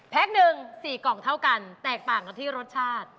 แพ็ค๑สี่กล่องเท่ากันแตกต่างกันที่รสชาติ